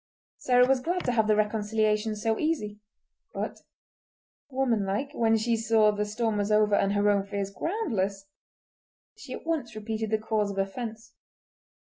Sarah was glad to have the reconciliation so easy; but, womanlike, when she saw the storm was over and her own fears groundless, she at once repeated the cause of offence.